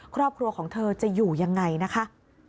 ครอบครัวของเธอจะอยู่ยังไงนะคะ